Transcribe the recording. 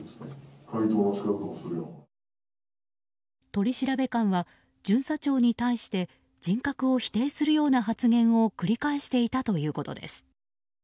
取調官は巡査長に対して人格を否定するような発言を繰り返していたということです。